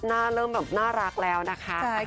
เริ่มแบบน่ารักแล้วนะคะ